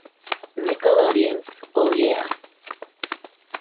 Nickelodeon's Oh Yeah!